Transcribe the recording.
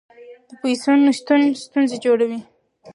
د پیسو نشتون ستونزې جوړوي.